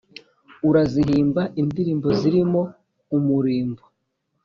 Urazihimba indirimbo zirimo umurimbo